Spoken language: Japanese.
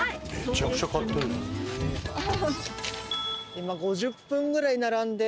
今５０分ぐらい並んで。